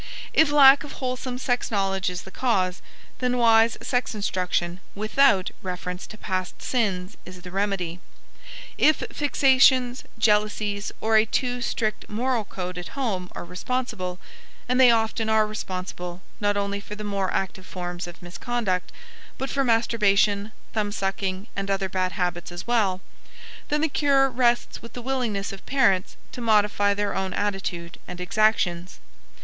If lack of wholesome sex knowledge is the cause, then wise sex instruction without reference to past sins is the remedy. If fixations, jealousies, or a too strict moral code at home are responsible (and they often are responsible not only for the more active forms of misconduct, but for masturbation, thumb sucking, and other bad habits as well), then the cure rests with the willingness of parents to modify their own attitude and exactions.